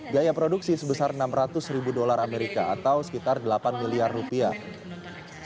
biaya produksi sebesar enam ratus ribu dolar amerika atau sekitar delapan miliar rupiah